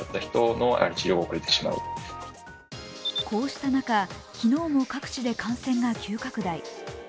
こうした中、昨日も各地で感染が急拡大。